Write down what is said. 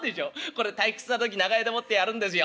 これ退屈な時長屋でもってやるんですよ。